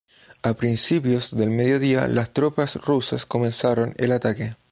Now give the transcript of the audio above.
A principios del mediodía las tropas rusas comenzaron el ataque.